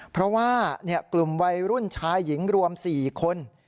เพราะว่ากลุ่มวัยรุ่นชายหญิงรวม๔คน